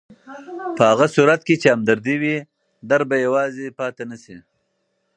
په هغه صورت کې چې همدردي وي، درد به یوازې پاتې نه شي.